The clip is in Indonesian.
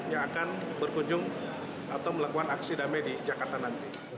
yang akan berkunjung atau melakukan aksi damai di jakarta nanti